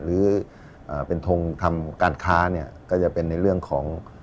หรือเป็นทงทำการค้าเนี่ยก็จะเป็นในเรื่องของ